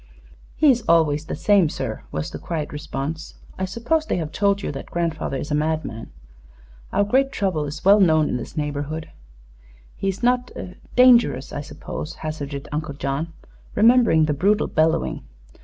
"He is always the same, sir," was the quiet response. "I suppose they have told you that grandfather is a madman? Our great trouble is well known in this neighborhood." "He is not dangerous. I suppose?" hazarded Uncle John, remembering the brutal bellowing.